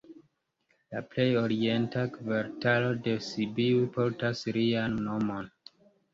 La plej orienta kvartalo de Sibiu portas lian nomon.